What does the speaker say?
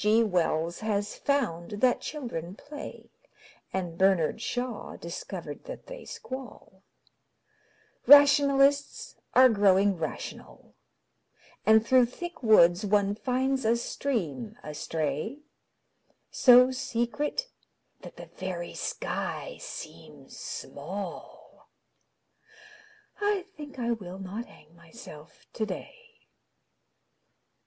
G. Wells has found that children play, And Bernard Shaw discovered that they squall; Rationalists are growing rational And through thick woods one finds a stream astray, So secret that the very sky seems small I think I will not hang myself today.